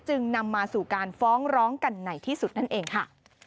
นำมาสู่การฟ้องร้องกันในที่สุดนั่นเองค่ะ